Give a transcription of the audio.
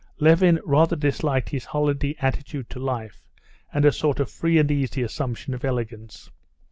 Levin rather disliked his holiday attitude to life and a sort of free and easy assumption of elegance.